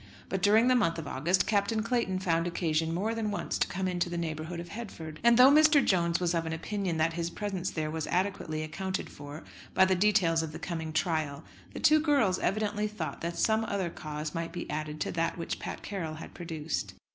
But during the month of August Captain Clayton found occasion more than once to come into the neighbourhood of Headford. And though Mr. Jones was of an opinion that his presence there was adequately accounted for by the details of the coming trial, the two girls evidently thought that some other cause might be added to that which Pat Carroll had produced.